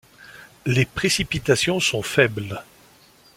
Les précipitations sont faibles.